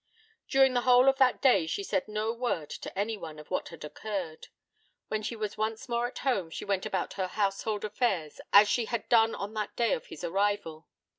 During the whole of that day she said no word to anyone of what had occurred. When she was once more at home she went about her household affairs as she had done on that day of his arrival.